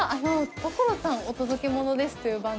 『所さんお届けモノです！』という番組で。